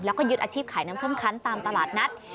แล้วก็ยึดอาชีพขายน้ำส้มคันตามตลาดนัด